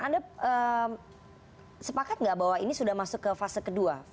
anda sepakat nggak bahwa ini sudah masuk ke fase kedua